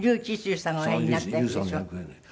笠智衆さんがおやりになった役でしょ。